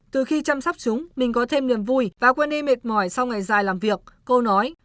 từ khi chăm sóc chúng mình có thêm niềm vui và quên đi mệt mỏi sau ngày dài làm việc câu nói